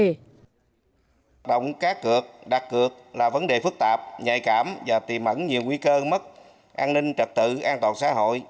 huy động cá cược đạt cược là vấn đề phức tạp nhạy cảm và tìm ẩn nhiều nguy cơ mất an ninh trật tự an toàn xã hội